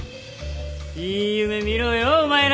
いい夢見ろよお前ら！